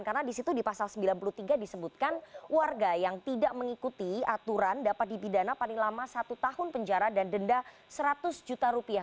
karena di situ di pasal sembilan puluh tiga disebutkan warga yang tidak mengikuti aturan dapat dipidana paling lama satu tahun penjara dan denda seratus juta rupiah